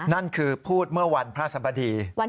นั่นคือพูดเมื่อวันพระสบดี